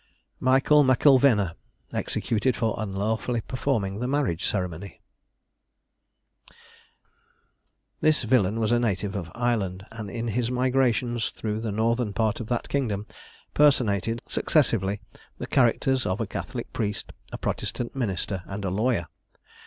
MICHAEL M'ILVENA. EXECUTED FOR UNLAWFULLY PERFORMING THE MARRIAGE CEREMONY. This villain was a native of Ireland; and in his migrations through the northern part of that kingdom, personated, successively, the characters of a Catholic priest, a Protestant minister, and a lawyer.